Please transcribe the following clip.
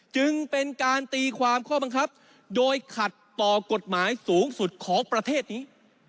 จึงเป็นการตีความข้อบังคับโดยขัดต่อกฎหมายสูงสุดของประเทศนี้